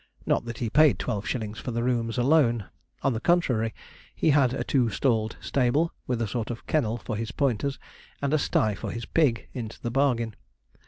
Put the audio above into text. Not that he paid twelve shillings for the rooms alone; on the contrary, he had a two stalled stable, with a sort of kennel for his pointers, and a sty for his pig into the bargain.